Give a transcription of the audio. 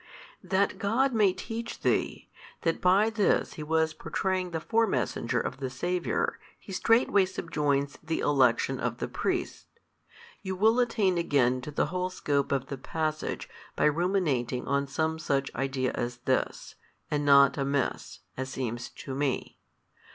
That God may teach thee, that by this He was pourtraying the fore messenger of the Saviour, He straightway subjoins the election of the Priests. You will attain again to the whole scope of the passage by ruminating on some such idea as this, and not amiss, as seems to me.